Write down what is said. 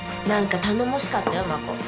何か頼もしかったよ真子。